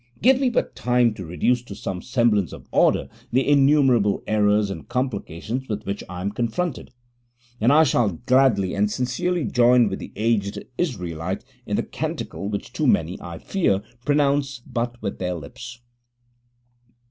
'Give me but time to reduce to some semblance of order the innumerable errors and complications with which I am confronted, and I shall gladly and sincerely join with the aged Israelite in the canticle which too many, I fear, pronounce but with their lips.'